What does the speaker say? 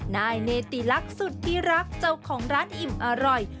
นายเนติลักษณ์สุดที่รักเจ้าของร้านอิ่มอร่อย